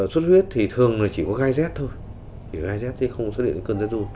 sốt huyết thì thường chỉ có gai rét thôi gai rét thì không xuất hiện cơn rét ru